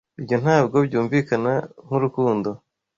Ibyo ntabwo byumvikana nkurukundo.